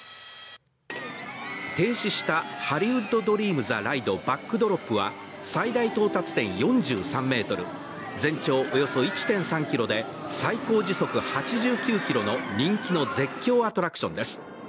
停止したハリウッド・ドリーム・ザ・ライドバックドロップは最大到達点４３ｍ、全長およそ１．３ｋｍで最高時速８９キロの人気の絶叫アトラクションです。